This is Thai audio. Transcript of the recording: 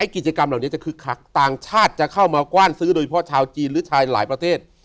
กิจกรรมเหล่านี้จะคึกคักต่างชาติจะเข้ามากว้านซื้อโดยเฉพาะชาวจีนหรือชายหลายประเทศ